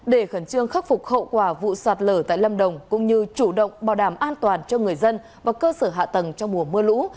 để khẩn trương khắc phục hậu quả vụ sạt lở tại lâm đồng cũng như chủ động bảo đảm an toàn cho người dân và cơ sở hạ tầng trong mùa mưa lũ